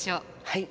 はい。